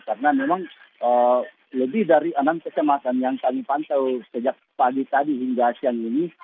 karena memang lebih dari enam kecamatan yang kami pantau sejak pagi tadi hingga siang ini